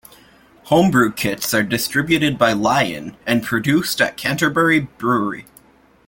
Home-brew kits are distributed by Lion and produced at Canterbury Brewery.